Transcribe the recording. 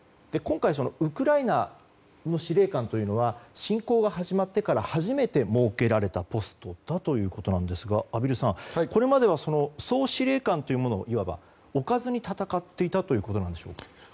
今回ウクライナの司令官というのは侵攻が始まってから初めて設けられたポストだということですが畔蒜さん、これまでは総司令官というのを置かずに戦っていたということでしょうか。